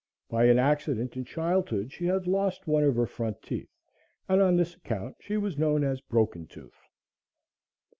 By an accident in childhood, she had lost one of her front teeth, and on this account, she was known as Broken Tooth.